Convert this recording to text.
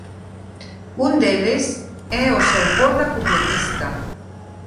Un deles é O solpor da cupletista.